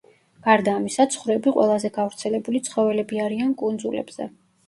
გარდა ამისა, ცხვრები ყველაზე გავრცელებული ცხოველები არიან კუნძულებზე.